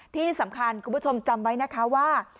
ที่สำคัญคุณผู้ชมจำไว้นะคะว่า